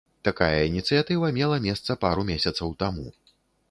Такая ініцыятыва мела месца пару месяцаў таму.